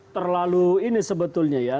terlalu ini sebetulnya ya